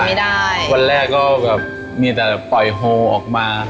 วันแรกก็แบบมีแต่ปล่อยโฮล์ออกมา